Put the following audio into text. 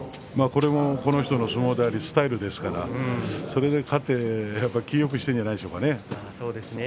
それもこの人のスタイルですからそれで勝って気をよくしているんじゃないですか。